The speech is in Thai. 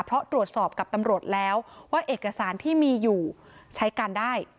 เพราะตรวจสอบกับตำรวจแล้วว่าเอกสารที่มีอยู่ใช้การได้